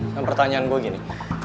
dan pertanyaan gue gini